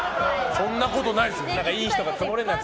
そんなことない。